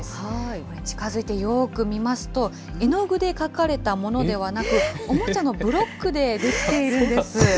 これ、近づいてよーく見ますと、絵の具で描かれたものではなく、おもちゃのブロックで出来ているんです。